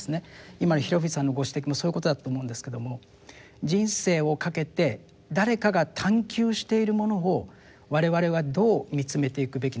今の平藤さんのご指摘もそういうことだと思うんですけども人生をかけて誰かが探求しているものを我々はどう見つめていくべきなのかと。